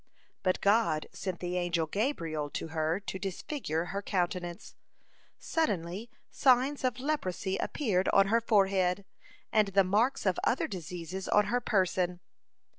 But God sent the angel Gabriel to her to disfigure her countenance. Suddenly signs of leprosy appeared on her forehead, and the marks of other diseases on her person.